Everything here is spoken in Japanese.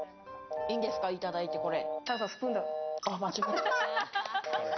いいんですか、いただいてこれ。